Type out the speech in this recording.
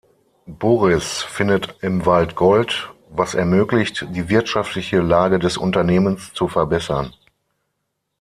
Burris findet im Wald Gold, was ermöglicht, die wirtschaftliche Lage des Unternehmens zu verbessern.